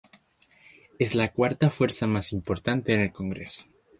Es la cuarta fuerza más importante en el Congreso.